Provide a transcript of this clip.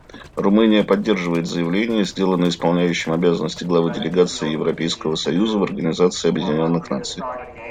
Румыния поддерживает заявление, сделанное исполняющим обязанности главы делегации Европейского союза в Организации Объединенных Наций.